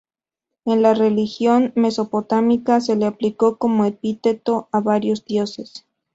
En la religión mesopotámica se le aplicó como epíteto a varios dioses.